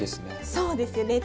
そうですよね。